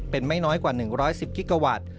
เป็นไม่น้อยกว่า๑๑๐กิกาวัตต์